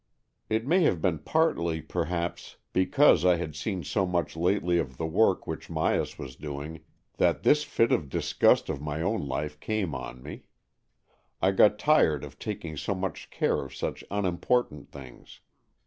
It may have been partly perhaps because 86 AN EXCHANGE OF SOULS I had seen so much lately of the work which Myas was doing, that this fit of disgust of my own life came on me. I got tired of taking so much care of such unimportant things.